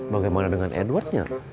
bagaimana dengan edwardnya